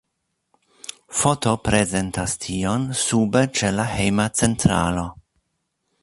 Foto prezentas tion sube ĉe la hejma centralo.